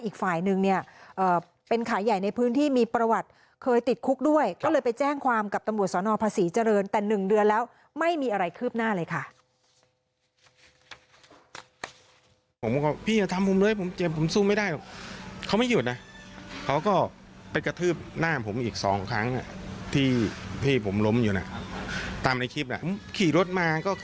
เคยติดคุกด้วยก็เลยไปแจ้งความกับตำบัวสนภาษีเจริญแต่หนึ่งเดือนแล้วไม่มีอะไรคืบหน้าเลยค่ะ